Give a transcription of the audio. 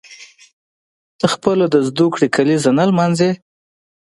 ته خپله د زوکړې کلیزه نه لمانځي.